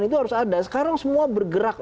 itu harus ada sekarang semua bergerak